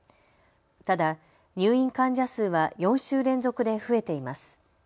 ただ、入院患者数は４週連続で増えています。